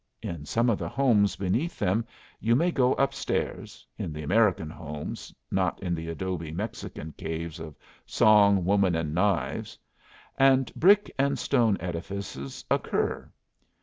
In some of the homes beneath them you may go up stairs in the American homes, not in the adobe Mexican caves of song, woman, and knives; and brick and stone edifices occur.